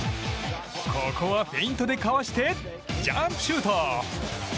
ここはフェイントでかわしてジャンプシュート。